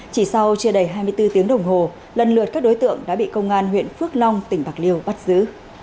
chỉ sau chưa đầy hai mươi bốn tiếng đồng hồ lần lượt các đối tượng đã bị công an huyện phước long tỉnh bạc liêu bắt giữ